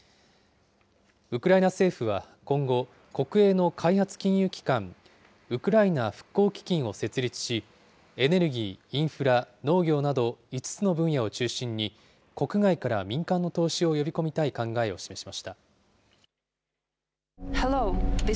ウクライナ政府は今後、国営の開発金融機関、ウクライナ復興基金を設立し、エネルギー、インフラ、農業など５つの分野を中心に、国外から民間の投資を呼び込みたい考えを示しました。